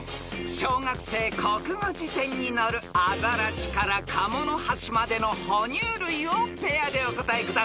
［小学生国語辞典に載る「あざらし」から「かものはし」までの哺乳類をペアでお答えください］